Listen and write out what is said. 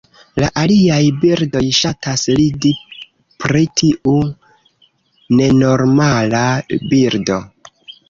La aliaj birdoj ŝatas ridi pri tiu nenormala birdo.